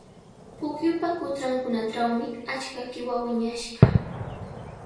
Pukyupa kutrunkunatrawmi achka qiwa wiñashqa.